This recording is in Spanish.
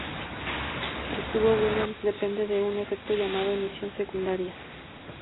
El tubo Williams depende de un efecto llamado emisión secundaria.